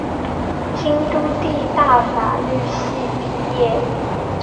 京都帝大法律系毕业。